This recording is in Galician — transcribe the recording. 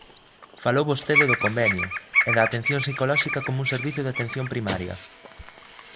Falou vostede do convenio, e da atención psicolóxica como un servizo da atención primaria.